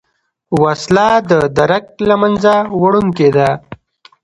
وسله د درک له منځه وړونکې ده